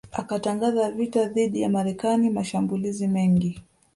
akatangaza vita dhidi ya Marekani mashambulizi mengi